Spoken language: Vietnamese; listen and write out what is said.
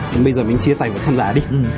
bây giờ mình chia tay với khán giả đi